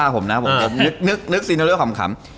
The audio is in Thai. ผมนึกซีนเรื่องขำ